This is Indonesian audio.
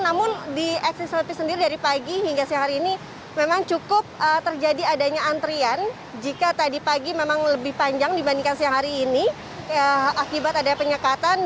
namun di eksit service sendiri dari pagi hingga siang hari ini memang cukup terjadi adanya antrian jika tadi pagi memang lebih panjang dibandingkan siang hari ini akibat ada penyekatan